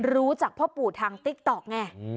รู้จากพ่อปู่ทางติ๊กต๊อกไง